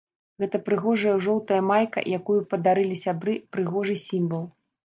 Гэта прыгожая жоўтая майка, якую падарылі сябры, прыгожы сімвал.